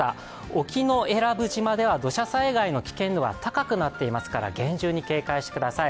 沖永良部島では土砂災害の危険度が高くなってますから厳重に警戒してください。